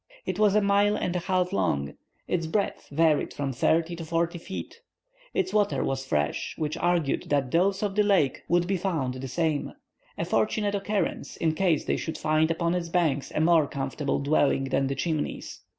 It was a mile and a half long; its breadth varied from thirty to forty feet. Its water was fresh, which argued that those of the lake would be found the same—a fortunate occurrence, in case they should find upon its banks a more comfortable dwelling than the Chimneys.